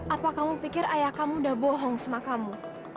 apa kamu pikir ayah kamu udah bohong sama kamu